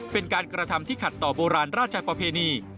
เป็นการกระทำที่ขัดต่อโบราณราชประเพณี